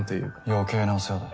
余計なお世話だ。